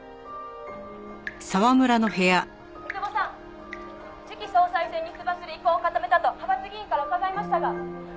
「三窪さん次期総裁選に出馬する意向を固めたと派閥議員から伺いましたが？」